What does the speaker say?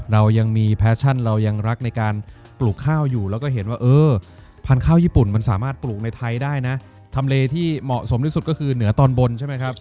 เรายังมีแฟชั่นเรายังรักในการปลูกข้าวอยู่แล้วก็เห็นว่าเออพันธุ์ข้าวญี่ปุ่นมันสามารถปลูกในไทยได้นะทำเลที่เหมาะสมที่สุดก็คือเหนือตอนบนใช่ไหมครับ